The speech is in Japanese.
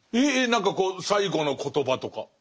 何か最後の言葉とか。